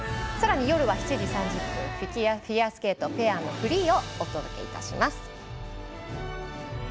さらに夜は７時３０分フィギュアスケートペアのフリーをお届けします。